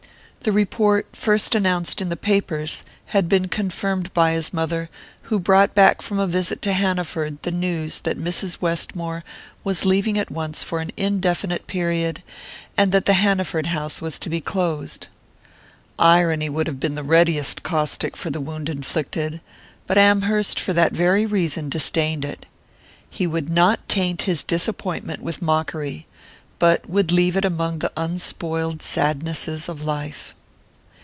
The report, first announced in the papers, had been confirmed by his mother, who brought back from a visit to Hanaford the news that Mrs. Westmore was leaving at once for an indefinite period, and that the Hanaford house was to be closed. Irony would have been the readiest caustic for the wound inflicted; but Amherst, for that very reason, disdained it. He would not taint his disappointment with mockery, but would leave it among the unspoiled sadnesses of life....